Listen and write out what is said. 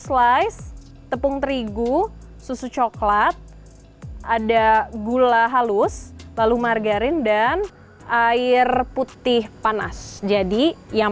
slice tepung terigu susu coklat ada gula halus lalu margarin dan air putih panas jadi yang